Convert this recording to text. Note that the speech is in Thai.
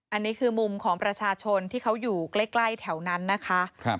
อันนี้คือมุมของประชาชนที่เขาอยู่ใกล้แถวนั้นนะคะ